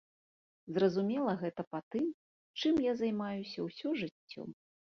Зразумела гэта па тым, чым я займаюся ўсё жыццё.